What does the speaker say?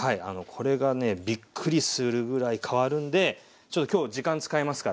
これがねびっくりするぐらい変わるんでちょっと今日時間使いますから。